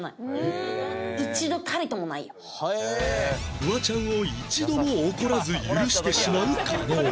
フワちゃんを一度も怒らず許してしまう加納